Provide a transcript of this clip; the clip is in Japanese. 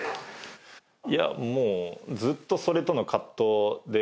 いやもうずっとそれとの葛藤で。